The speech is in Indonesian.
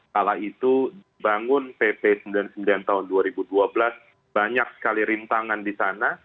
kala itu dibangun pp sembilan puluh sembilan tahun dua ribu dua belas banyak sekali rintangan di sana